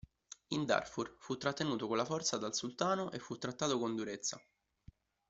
In Darfur, fu trattenuto con la forza dal sultano e fu trattato con durezza.